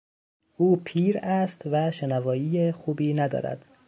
او پیر است و شنوایی خوبی ندارد.